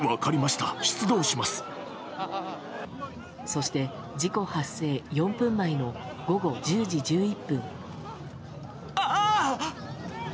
そして、事故発生４分前の午後１０時１１分。